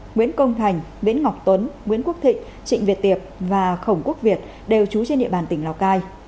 nguyễn công thành nguyễn ngọc tuấn nguyễn quốc thịnh trịnh việt tiệp và khổng quốc việt đều trú trên địa bàn tỉnh lào cai